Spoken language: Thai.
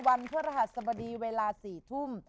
วันพฤหัสสบดีเวลา๔ทุ่ม